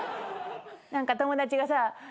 何か友達がさ